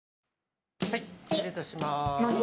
失礼いたします。